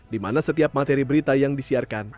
dimana setiap materi berita yang disiarkan